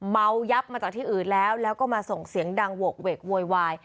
ยับมาจากที่อื่นแล้วแล้วก็มาส่งเสียงดังโหกเวกโวยวาย